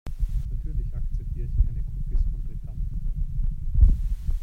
Natürlich akzeptiere ich keine Cookies von Drittanbietern.